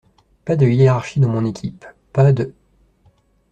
Pas de hiérarchie dans mon équipe, pas de…